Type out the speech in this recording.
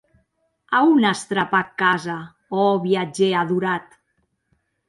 A on as trapat casa, ò viatgèr adorat?